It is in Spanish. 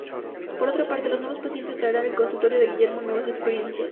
Por otra parte, los nuevos pacientes traerán al consultorio de Guillermo nuevas experiencias.